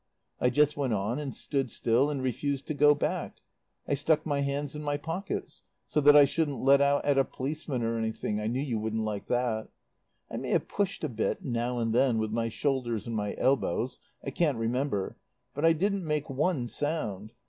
"I just went on and stood still and refused to go back. I stuck my hands in my pockets so that I shouldn't let out at a policeman or anything (I knew you wouldn't like that). I may have pushed a bit now and then with my shoulders and my elbows; I can't remember. But I didn't make one sound.